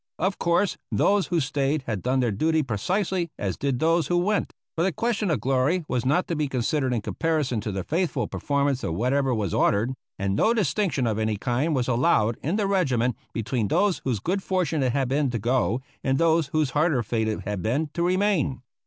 Of course those who stayed had done their duty precisely as did those who went, for the question of glory was not to be considered in comparison to the faithful performance of whatever was ordered; and no distinction of any kind was allowed in the regiment between those whose good fortune it had been to go and those whose harder fate it had been to remain.